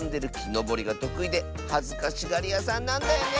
のぼりがとくいではずかしがりやさんなんだよね！